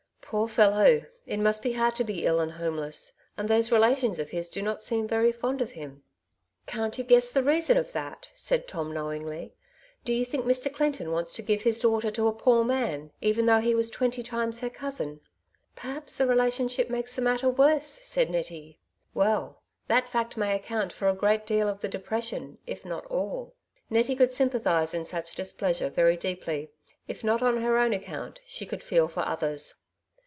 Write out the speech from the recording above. Poor fellow ! it must be hard to be ill and homeless ; and those relations of his do not seem very fond of him." " Can't you guess the reason of that ?" said Tom knowingly. ^^ Do you think Mr. Clinton wants to give his daughter to a poor man, even though he was twenty times her cousin ?" '^Perhaps the relationship makes the matter worse," said Nettie. " Well, that fact may account for a great deal of the depression, if not all," Nettie could sympathize in such displeasure very deeply ; if not on her own account, she could feel for others.